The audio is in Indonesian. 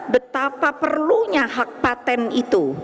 betapa perlunya hak patent itu